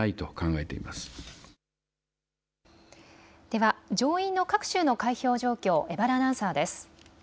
では上院の各州の開票状況、江原アナウンサーです。